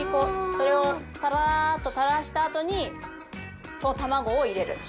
それをタラーッと垂らしたあとに卵を入れる。